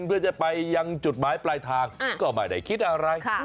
เพื่อจะไปยังจุดหมายปลายทางก็ไม่ได้คิดอะไร